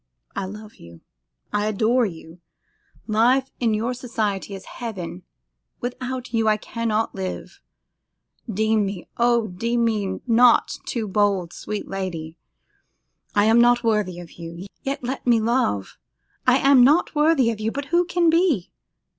I love you, I adore you; life in your society is heaven; without you I cannot live. Deem me, oh! deem me not too bold, sweet lady; I am not worthy of you, yet let me love! I am not worthy of you, but who can be?